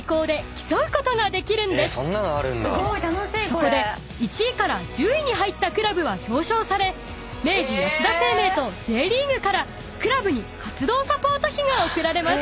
［そこで１位から１０位に入ったクラブは表彰され明治安田生命とＪリーグからクラブに活動サポート費が贈られます］